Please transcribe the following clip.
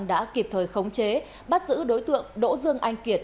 đã kịp thời khống chế bắt giữ đối tượng đỗ dương anh kiệt